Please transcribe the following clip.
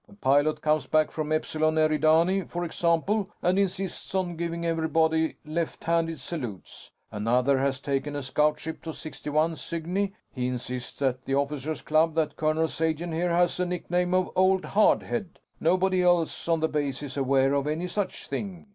A pilot comes back from Epsilon Eridani, for example, and insists on giving everybody left handed salutes. Another has taken a scout ship to 61 Cygni. He insists at the Officers Club that Colonel Sagen here has a nickname of 'Old Hard Head'. Nobody else on the base is aware of any such thing.